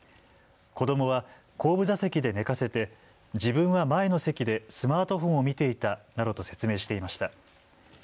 子どもは後部座席で寝かせて自分は前の席でスマートフォンを見ていたなどと説明していました。